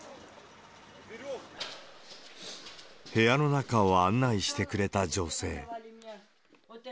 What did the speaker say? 部屋の中を案内してくれた女性。